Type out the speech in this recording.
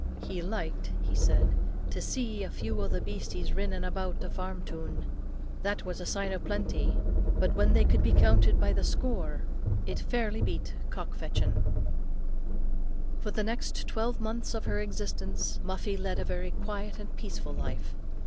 "He liked," he said, "to see a few o' the beasties rinnin' aboot a farm toon. That was a sign o' plenty; but when they could be counted by the score, it fairly beat cock fechtin." For the next twelve months of her existence, Muffie led a very quiet and peaceful life.